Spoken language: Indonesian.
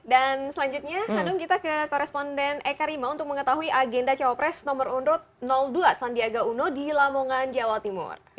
dan selanjutnya handuk kita ke koresponden eka rima untuk mengetahui agenda cawapres nomor satu ratus dua sandiaga uno di lamongan jawa timur